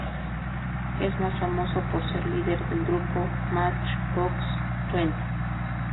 Es más famoso por ser líder del grupo Matchbox Twenty.